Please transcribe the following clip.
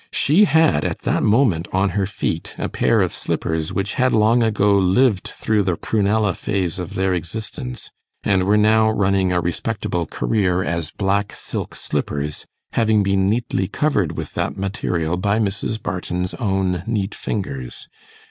She had at that moment on her feet a pair of slippers which had long ago lived through the prunella phase of their existence, and were now running a respectable career as black silk slippers, having been neatly covered with that material by Mrs. Barton's own neat fingers.